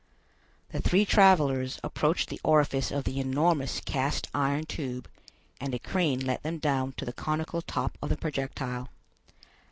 The three travelers approached the orifice of the enormous cast iron tube, and a crane let them down to the conical top of the projectile.